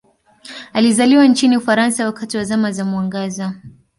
Alizaliwa nchini Ufaransa wakati wa Zama za Mwangaza.